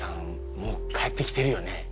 もう帰ってきてるよね？